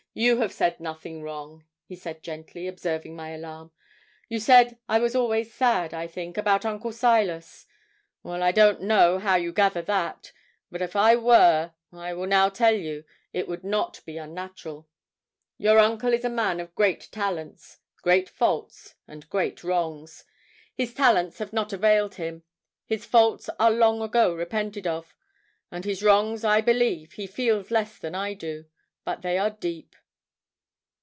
You have said nothing wrong,' he said gently, observing my alarm. 'You said I was always sad, I think, about Uncle Silas. Well, I don't know how you gather that; but if I were, I will now tell you, it would not be unnatural. Your uncle is a man of great talents, great faults, and great wrongs. His talents have not availed him; his faults are long ago repented of; and his wrongs I believe he feels less than I do, but they are deep.